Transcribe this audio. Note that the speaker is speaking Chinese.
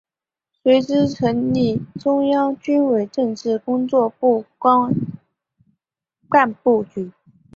随之成立中央军委政治工作部干部局。